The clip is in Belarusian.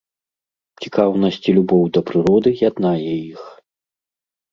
Цікаўнасць і любоў да прыроды яднае іх.